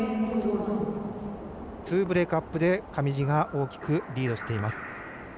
２ブレークアップで上地が大きくリードしています。